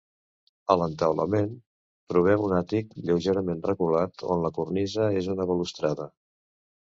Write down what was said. A l'entaulament trobem un àtic lleugerament reculat on la cornisa és una balustrada.